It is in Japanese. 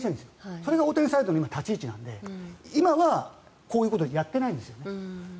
それが大谷サイドの今、立ち位置なので今はこういうことをやってないんですよね。